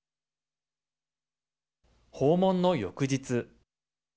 訪問の翌日。